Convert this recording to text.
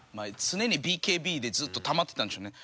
常にＢＫＢでずっとたまってたんでしょうね。